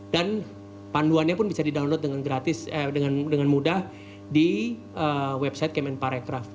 dan panduannya pun bisa di download dengan mudah di website kemen pariwisata